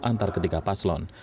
antar ketiga paslon